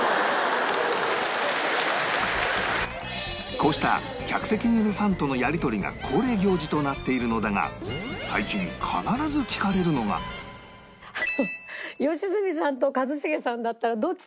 こうした客席にいるファンとのやり取りが恒例行事となっているのだがっていうのが毎回１枚あるの。